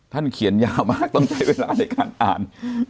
เขียนยาวมากต้องใช้เวลาในการอ่าน